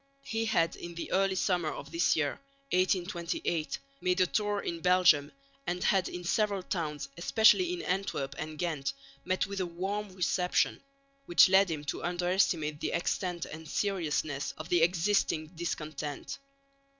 He had in the early summer of this year, 1828, made a tour in Belgium and had in several towns, especially in Antwerp and Ghent, met with a warm reception, which led him to underestimate the extent and seriousness of the existing discontent.